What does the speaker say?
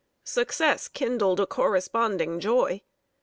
Success kindled a corresponding joy.